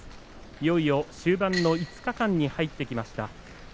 いよいよ終盤の５日間に入ってきました。